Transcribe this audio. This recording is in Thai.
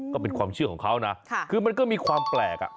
ก็เป็นความเชื่อของเขานะคือมันก็มีความแปลก